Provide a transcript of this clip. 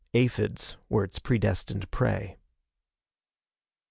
Aphids were its predestined prey.